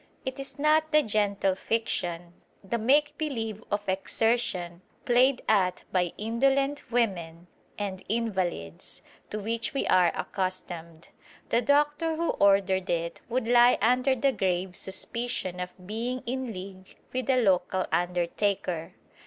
It is not the gentle fiction, the make believe of exertion played at by indolent women and invalids, to which we are accustomed. The doctor who ordered it would lie under the grave suspicion of being in league with the local undertaker.